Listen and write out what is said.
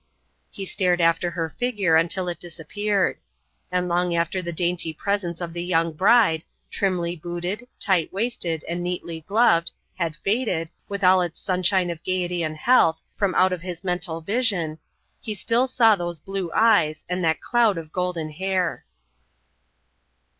He stared after her figure until it disappeared; and long after the dainty presence of the young bride trimly booted, tight waisted, and neatly gloved had faded, with all its sunshine of gaiety and health, from out of his mental vision, he still saw those blue eyes and that cloud of golden hair.